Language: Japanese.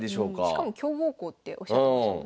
しかも強豪校っておっしゃってましたもんね。